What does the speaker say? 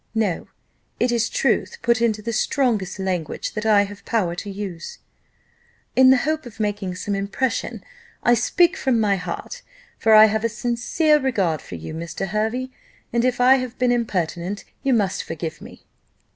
No: it is truth put into the strongest language that I have power to use, in the hope of making some impression: I speak from my heart, for I have a sincere regard for you, Mr. Hervey, and if I have been impertinent, you must forgive me."